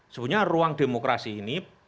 sebenarnya ruang demokrasi ini